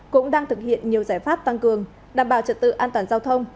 cũng đang thực hiện nhiều giải pháp tăng cường đảm bảo trật tự an toàn giao thông